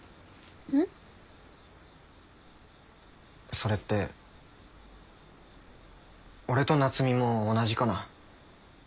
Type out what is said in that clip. それって俺と夏海も同じかな？